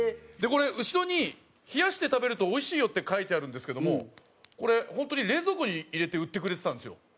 これ後ろに「冷やして食べるとおいしいよ！」って書いてあるんですけどもこれホントに冷蔵庫に入れて売ってくれてたんですよ。